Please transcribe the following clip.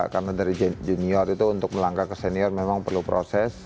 karena dari junior itu untuk melangkah ke senior memang perlu proses